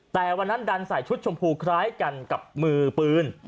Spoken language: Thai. แต่วันนั้นดันใส่ชุดชมพูคล้ายกันกับมือปืน